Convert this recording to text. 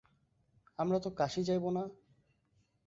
আমরা তো কাশী যাইব না।